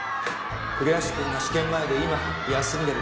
栗橋くんが試験前で今休んでるから。